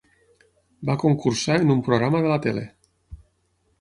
Va concursar en un programa de la tele.